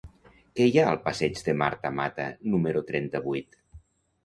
Què hi ha al passeig de Marta Mata número trenta-vuit?